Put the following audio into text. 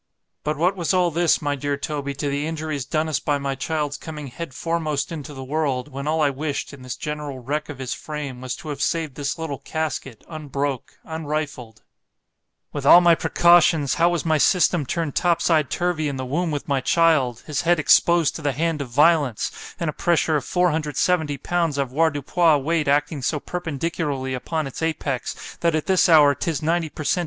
But what was all this, my dear Toby, to the injuries done us by my child's coming head foremost into the world, when all I wished, in this general wreck of his frame, was to have saved this little casket unbroke, unrifled.—— With all my precautions, how was my system turned topside turvy in the womb with my child! his head exposed to the hand of violence, and a pressure of 470 pounds avoirdupois weight acting so perpendicularly upon its apex—that at this hour 'tis ninety _per Cent.